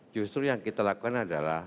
justru yang kita lakukan adalah